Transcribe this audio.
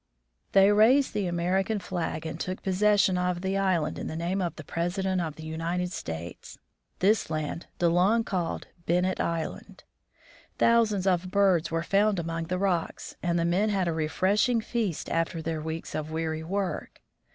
They raised the American flag and took possession of the island in the name of the President of the United States. This land De Long called Bennett island. Thousands of birds were found among the rocks, and the men had a refreshing feast after their weeks of weary work.